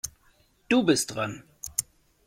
Du bist dran.